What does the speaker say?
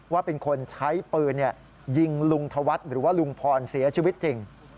ว่าเป็นคนใช้ปืนยิงลุงธวัฒน์หรือว่าลุงพรเสียชีวิตจริง